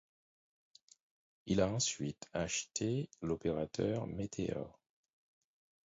Il a ensuite acheté l'opérateur Meteor.